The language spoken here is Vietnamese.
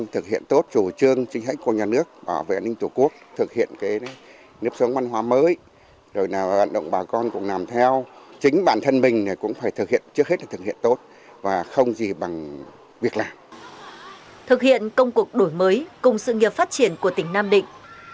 thực hiện công cuộc đổi mới cùng sự nghiệp phát triển của tỉnh nam định